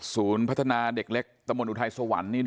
ศูนย์พัฒนาเด็กเล็กตะดคนอุทัยสวรรค์